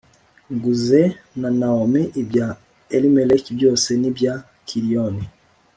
Nguze na nawomi ibya elimeleki byose n ibya kiliyoni